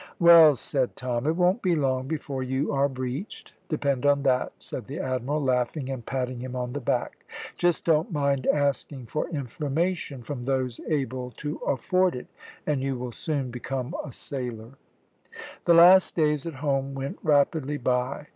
"Well said, Tom; it won't be long before you are breeched, depend on that," said the Admiral, laughing and patting him on the back. "Just don't mind asking for information from those able to afford it, and you will soon become a sailor." The last days at home went rapidly by.